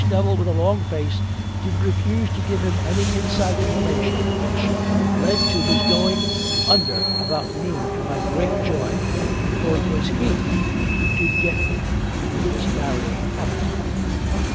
Nevil with a long face did refuse to give him any inside information the which led to his going under about noon to my great joy for it was he who did get me in this marrying habit.